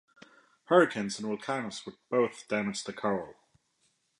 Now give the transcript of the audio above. Hurricanes and volcanoes would both damage the coral.